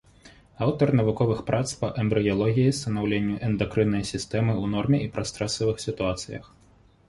Аўтар навуковых прац па эмбрыялогіі, станаўленню эндакрыннай сістэмы ў норме і пры стрэсавых сітуацыях.